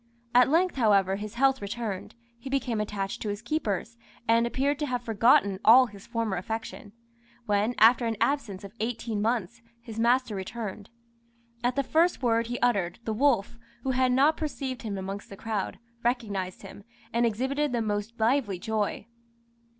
At length, however, his health returned, he became attached to his keepers, and appeared to have forgotten all his former affection; when, after an absence of eighteen months, his master returned. At the first word he uttered, the wolf, who had not perceived him amongst the crowd, recognised him, and exhibited the most lively joy.